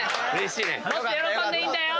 もっと喜んでいいんだよ。